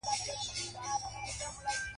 راکټ د یوه نوي فضاوي دور پیل دی